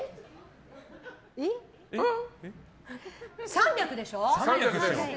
３００でしょ？